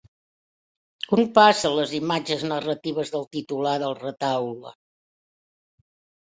On passen les imatges narratives del titular del retaule?